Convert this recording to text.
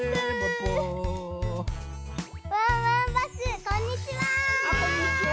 ワンワンバスこんにちは！